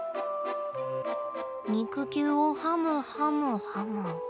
肉球をはむはむはむ。